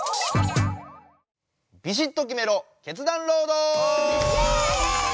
「ビシッと決めろ決断ロード！」。